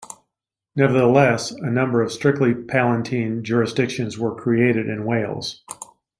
Nevertheless, a number of strictly Palatine jurisdictions were created in Wales.